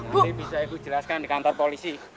nanti bisa ibu jelaskan di kantor polisi